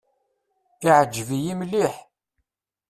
Iɛǧeb-iyi mliḥ.